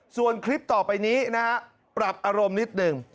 ส่วนคลิปต่อไปนี้นะฮะปรับอารมณ์นิดหนึ่ง